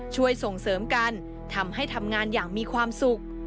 ช่วยส่งเสริมกันทำให้ทำงานอย่างมีความสุข